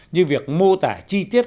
như việc mô tả chi tiết